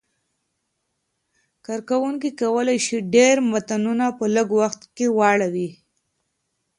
کاروونکي کولای شي ډېر متنونه په لږ وخت کې واړوي.